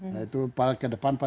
nah itu ke depan